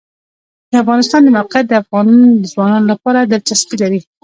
د افغانستان د موقعیت د افغان ځوانانو لپاره دلچسپي لري.